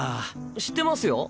知ってますよ。